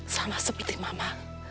sama seperti mama